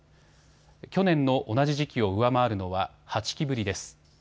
去年の同じ時期を上回るのは８期ぶりです。